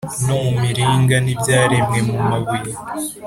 no mu miringa n’ibyaremwe mu mabuye